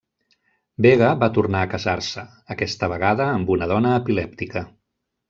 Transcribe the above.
Vega va tornar a casar-se, aquesta vegada amb una dona epilèptica.